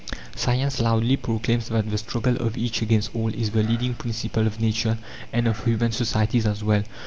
Science loudly proclaims that the struggle of each against all is the leading principle of nature, and of human societies as well.